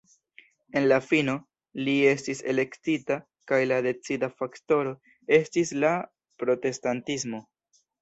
En la fino, li estis elektita kaj la decida faktoro estis la protestantismo.